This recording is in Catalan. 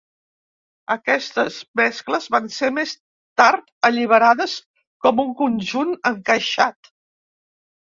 Aquestes mescles van ser més tard alliberades com un conjunt encaixat.